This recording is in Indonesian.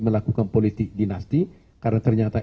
melakukan politik dinasti karena ternyata